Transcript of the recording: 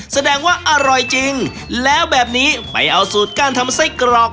แสดงว่าอร่อยจริงแล้วแบบนี้ไปเอาสูตรการทำไส้กรอก